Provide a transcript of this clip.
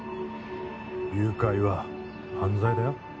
誘拐は犯罪だよ